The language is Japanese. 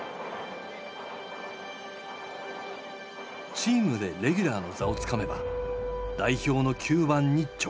チームでレギュラーの座をつかめば代表の９番に直結する。